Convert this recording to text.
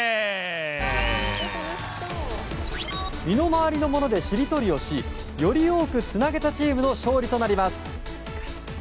身の回りのものでしりとりをしより多くつなげたチームの勝利となります。